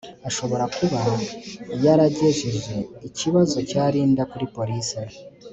ashobora kuba yaragejeje ikibazo cya Linda kuri police